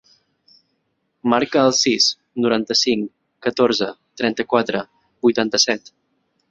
Marca el sis, noranta-cinc, catorze, trenta-quatre, vuitanta-set.